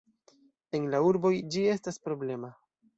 En la urboj, ĝi estas problema.